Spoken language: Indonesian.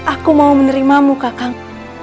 aku mau menerimamu kakang